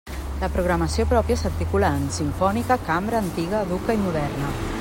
La programació pròpia s'articula en: simfònica, cambra, antiga, educa i moderna.